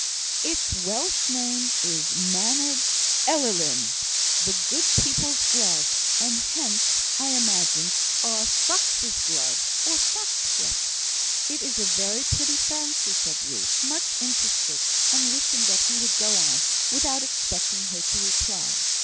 Its Welsh name is Maneg Ellyllyn the good people's glove; and hence, I imagine, our folk's glove or fox glove." "It's a very pretty fancy," said Ruth, much interested, and wishing that he would go on, without expecting her to reply.